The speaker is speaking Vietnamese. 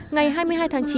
ngày hai mươi hai tháng chín